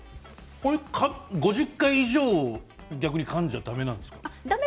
５０回以上逆にかんじゃだめなんですか。